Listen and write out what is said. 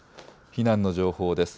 避難の情報です。